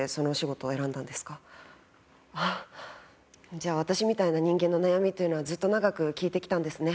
じゃあ私みたいな人間の悩みというのはずっと長く聞いてきたんですね。